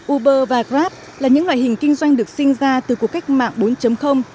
uber và grab là những loại hình kinh doanh được sinh ra từ cuộc cách mạng bốn